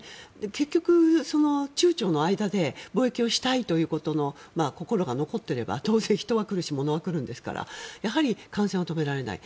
結局、中朝の間で貿易をしたいということの心が残っていれば当然、人は来るし物は来るんですからやはり感染は止められない。